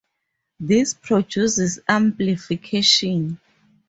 This produces amplification.